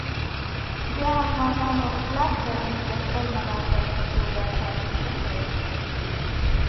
د افغانانو کلک دریځ د خپل ملاتړ په توګه تعبیر نه کړي